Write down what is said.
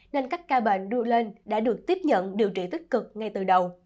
nên các ca bệnh đưa lên đã được tiếp nhận điều trị tích cực ngay từ đầu